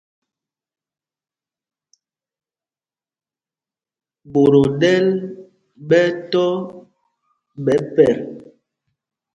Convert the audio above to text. Ɓot o ɗɛ́l ɓɛ́ ɛ́ tɔ̄ ɓɛ̌ ipɛt.